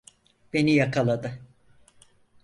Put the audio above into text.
Beni yakaladı!